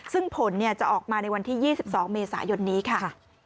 ซึ่งผลจะออกมาในวันที่๒๒เมษายนนี้ค่ะ